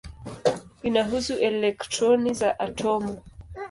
Inahusu elektroni za atomu.